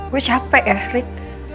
gue capek ya rik